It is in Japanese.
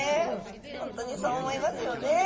本当にそう思いますよね。